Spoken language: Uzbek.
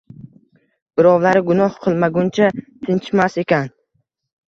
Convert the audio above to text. Birovlari gunoh qilmaguncha tinchishmas ekan